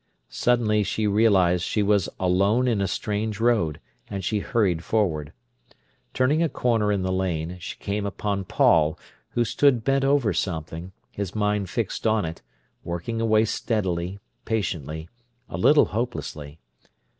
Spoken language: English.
Suddenly she realised she was alone in a strange road, and she hurried forward. Turning a corner in the lane, she came upon Paul, who stood bent over something, his mind fixed on it, working away steadily, patiently, a little hopelessly.